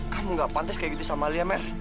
kamu gak pantas kayak gitu sama lia mer